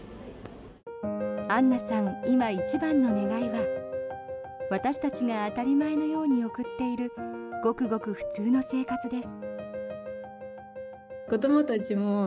アンナさん、今一番の願いは私たちが当たり前のように送っているごくごく普通の生活です。